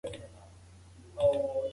خپل استعداد په کار واچوئ.